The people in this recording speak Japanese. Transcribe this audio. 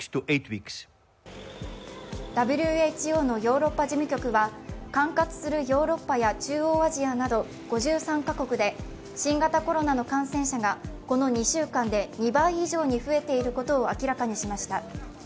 ＷＨＯのヨーロッパ事務局は管轄するヨーロッパや中央アジアなど５３カ国で新型コロナの感染者がこの２週間で２倍以上に増えていることを明らかにしました。